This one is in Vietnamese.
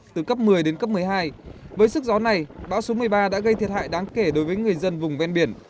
thì đến cấp một mươi hai với sức gió này bão số một mươi ba đã gây thiệt hại đáng kể đối với người dân vùng ven biển